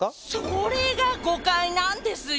それが誤解なんですよ。